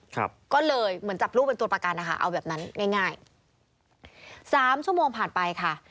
ครับก็เลยเหมือนจับลูกเป็นตัวประกันนะคะเอาแบบนั้นง่ายง่ายสามชั่วโมงผ่านไปค่ะ